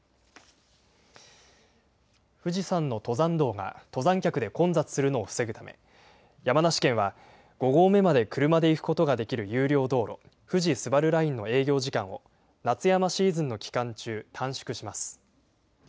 富士山の登山道が登山客で混雑するのを防ぐため、山梨県は５合目まで車で行くことができる有料道路、富士スバルラインの営業時間を、夏山シーズンの期間中、短縮します。